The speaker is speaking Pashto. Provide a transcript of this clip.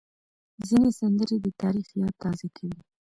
ځینې سندرې د تاریخ یاد تازه کوي.